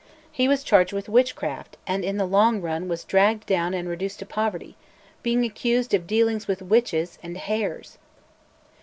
He was charged with witchcraft, and in the long run was dragged down and reduced to poverty, being accused of dealings with witches and hares!